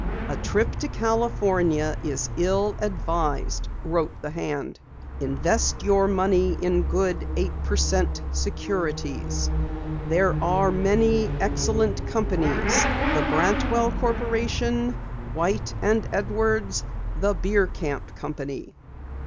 "A trip to California is ill advised," wrote the hand. "Invest your money in good eight per cent securities. There are many excellent companies the Brantwell Corporation, White and Edwards, the Bierkamp Company."